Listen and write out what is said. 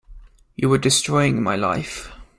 You were destroying my life.